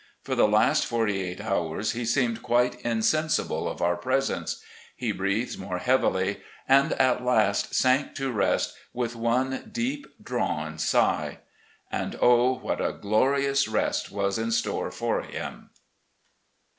For the last forty eight hours he seemed quite insensible of our presence. He breathed more heavily, and at last sank to rest with one deep drawn sigh. And oh, what a glorious rest was in store for him